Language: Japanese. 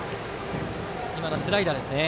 今のはスライダーですね。